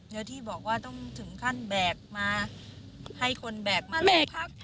แล้วที่บอกว่าต้องถึงขั้นแบกมาให้คนแบกมาแบกพัก